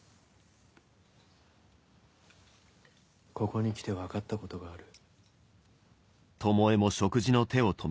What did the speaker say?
ここに来て分かったことがある。